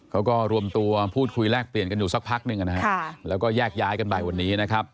เขาก็รวมตัวพูดคุยแลกเปลี่ยนกันอยู่สักพักหนึ่งนะฮะแล้วก็แยกย้ายกันไปวันนี้นะครับ